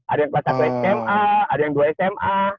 ada yang kelas satu sma ada yang dua sma